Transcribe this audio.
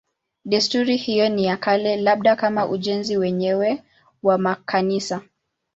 Desturi hiyo ni ya kale, labda kama ujenzi wenyewe wa makanisa.